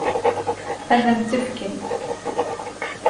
Ad m-t-fken?